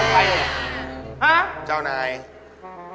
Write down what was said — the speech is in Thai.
ฮะเจ้านายเจ้าหน่าอยาก